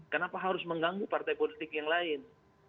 kenapa harus mengganggu partai politik yang lain